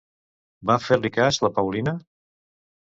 Va fer-li cas la Paulina?